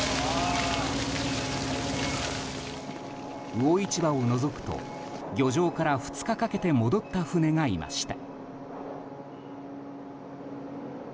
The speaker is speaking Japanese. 魚市場をのぞくと、漁場から２日かけて戻った船がいました。